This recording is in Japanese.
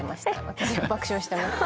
私爆笑してました。